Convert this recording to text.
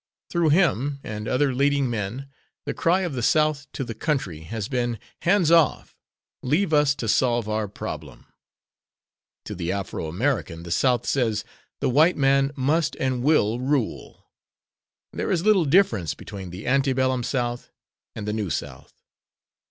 Through him and other leading men the cry of the South to the country has been "Hands off! Leave us to solve our problem." To the Afro American the South says, "the white man must and will rule." There is little difference between the Antebellum South and the New South.